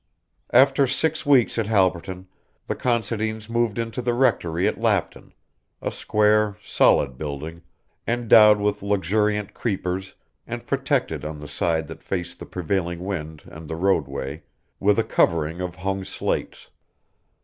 After six weeks at Halberton the Considines moved into the Rectory at Lapton, a square, solid building, endowed with luxuriant creepers and protected on the side that faced the prevailing wind and the roadway, with a covering of hung slates.